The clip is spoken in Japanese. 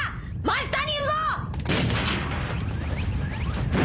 真下にいるぞ！